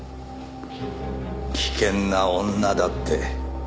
危険な女だって。